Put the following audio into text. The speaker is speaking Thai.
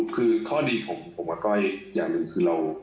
คือข้อดีของผมกับก้อยอย่างหนึ่งคือเรา